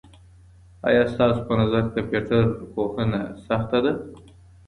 آیا ستاسو په نظر کمپيوټر پوهنه سخته ده؟